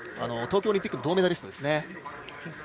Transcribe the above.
東京オリンピックの銅メダリストですね。